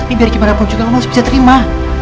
tapi biar gimana pun juga lo masih bisa terima